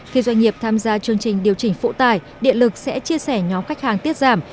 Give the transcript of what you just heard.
khi doanh nghiệp tham gia chương trình điều chỉnh phụ tải điện lực sẽ chia sẻ nhóm khách hàng tiết giảm